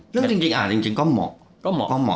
เรื่องจริงอ่ะจริงก็เหมาะ